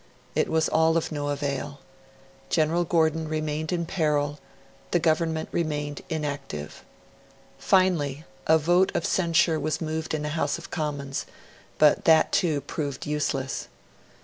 It was all of no avail. General Gordon remained in peril; the Government remained inactive. Finally, a vote of censure was moved in the House of Commons; but that too proved useless.